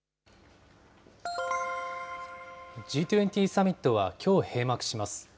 Ｇ２０サミットはきょう閉幕します。